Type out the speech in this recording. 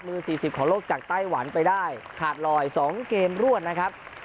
๔๐ของโลกจากไต้หวันไปได้ขาดลอย๒เกมรวดนะครับ